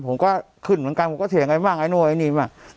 ผมก็ขึ้นเหมือนกันผมก็เถียงกันบ้างไอ้โน่ไอ้นี่บ้าง